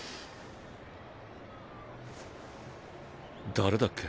誰だっけ？